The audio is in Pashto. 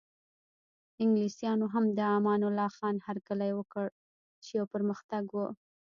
انګلیسانو هم د امان الله خان هرکلی وکړ چې یو پرمختګ و.